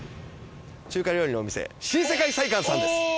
中華料理のお店新世界菜館さんです。